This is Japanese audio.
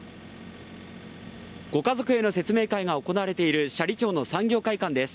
ご家族への説明会が行われている斜里町の産業会館です。